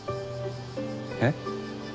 えっ？